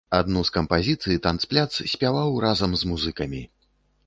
Адну з кампазіцый танцпляц спяваў разам з музыкамі.